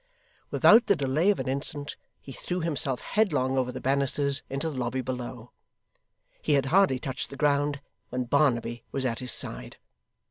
Without the delay of an instant, he threw himself headlong over the bannisters into the lobby below. He had hardly touched the ground when Barnaby was at his side.